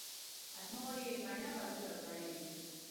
Asmo horiek, baina, badute aurkaririk.